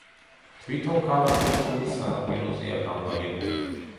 თვითონ ქალაქი ყურის სანაპიროზეა განლაგებული.